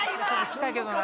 来たけどな。